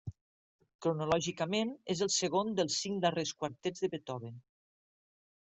Cronològicament, és el segon dels cinc darrers quartets de Beethoven.